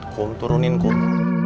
kum turunin kum